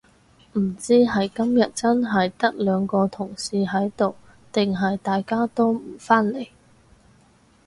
唔知係今日真係得兩個同事喺度定係大家都唔返嚟